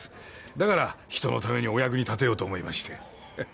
だから人のためにお役に立てようと思いましてははっ。